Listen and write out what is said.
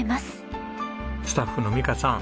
スタッフの美佳さん